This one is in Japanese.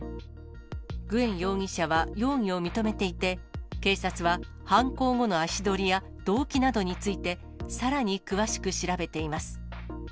グエン容疑者は容疑を認めていて、警察は犯行後の足取りや動機などについて、さらに詳しく調べています。